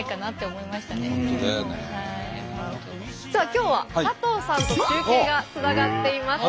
さあ今日は佐藤さんと中継がつながっています。